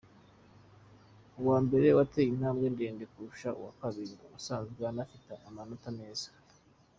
Uwa mbere yateye intambwe ndende kurusha uwa kabiri usanzwe anafite amanota meza.